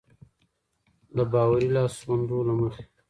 د باوري لاسوندو له مخې.